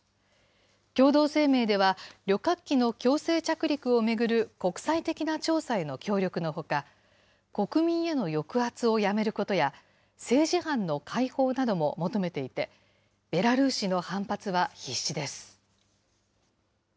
共同声明では、旅客機の強制着陸を巡る国際的な調査への協力のほか、国民への抑圧をやめることや、政治犯の解放なども求めていて、ベラルーシの反発は必至です。